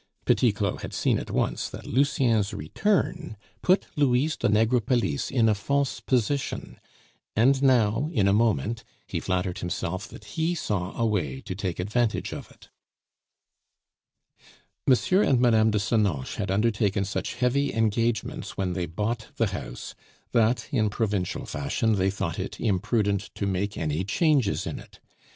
Petit Claud had seen at once that Lucien's return put Louise de Negrepelisse in a false position; and now, in a moment, he flattered himself that he saw a way to take advantage of it. M. and Mme. de Senonches had undertaken such heavy engagements when they bought the house, that, in provincial fashion, they thought it imprudent to make any changes in it.